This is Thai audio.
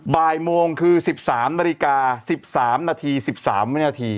บ่ายโมงคือ๑๓นาฬิกา๑๓นาที๑๓วินาที